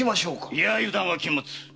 いや油断は禁物！